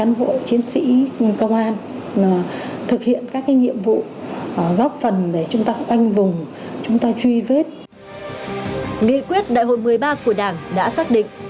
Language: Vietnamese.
nghị quyết đại hội một mươi ba của đảng đã xác định